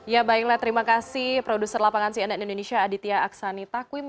ya baiklah terima kasih produser lapangan cnn indonesia aditya aksani takwim